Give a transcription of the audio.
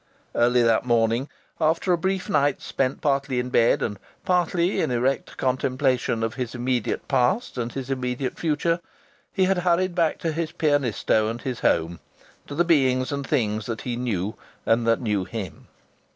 Early that morning, after a brief night spent partly in bed and partly in erect contemplation of his immediate past and his immediate future, he had hurried back to his pianisto and his home to the beings and things that he knew and that knew him.